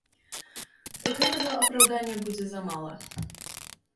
Гэтага апраўдання будзе замала.